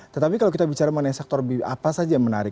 tetapi kalau kita bicara mengenai sektor apa saja yang menarik